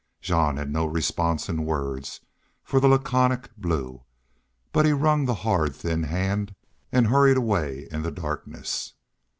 Jean had no response in words for the laconic Blue, but he wrung the hard, thin hand and hurried away in the darkness.